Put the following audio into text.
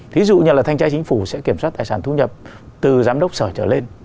thí dụ như là thanh tra chính phủ sẽ kiểm soát tài sản thu nhập từ giám đốc sở trở lên